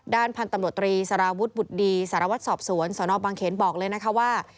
พันธุ์ตำรวจตรีสารวุฒิบุตรดีสารวัตรสอบสวนสนบังเขนบอกเลยนะคะว่า